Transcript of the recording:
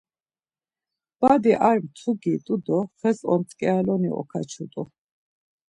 Badi ar mtugi t̆u do xes ontzǩialoni okaçut̆u.